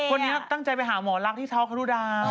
คนนี้ทางใจไปหามอยลักษณ์ที่เทาะคทุระดาม